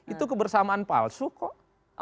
itu kebersamaan palsu kok